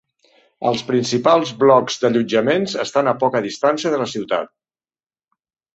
Els principals blocs d'allotjaments estan a poca distància de la ciutat.